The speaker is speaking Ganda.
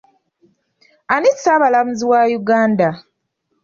Ani ssaabalamuzi wa Uganda?